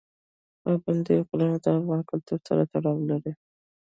پابندی غرونه د افغان کلتور سره تړاو لري.